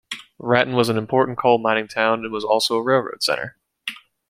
Raton was an important coal-mining town, and was also a railroad center.